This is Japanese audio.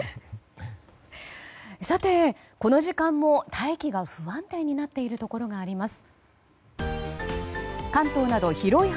さて、この時間も大気の不安定になっているところがあります。